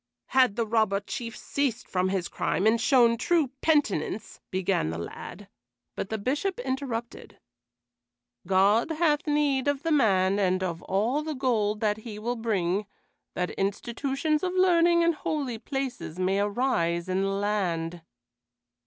"Had the Robber Chief ceased from his crime and shown true penitence" began the lad, but the Bishop interrupted. "God hath need of the man and of all the gold that he will bring, that institutions of learning and holy places may arise in the land."